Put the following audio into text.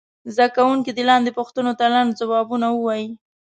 زده کوونکي دې لاندې پوښتنو ته لنډ ځوابونه ووایي.